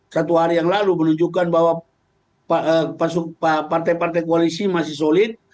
satu hari yang lalu menunjukkan bahwa partai partai koalisi masih solid